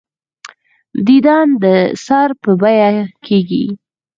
دیدن د سر په بیعه کېږي.